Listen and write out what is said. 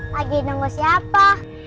lagi nunggu siapa